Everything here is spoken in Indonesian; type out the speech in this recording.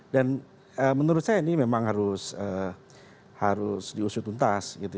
dan menurut saya ini memang harus diusut untas gitu ya